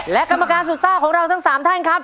และกรรมการสุดซ่าของเราทั้ง๓ท่านครับ